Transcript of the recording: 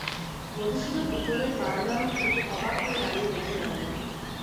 মধুসূদন উপরের বারান্দা থেকে অবাক হয়ে দাঁড়িয়ে দেখতে লাগল।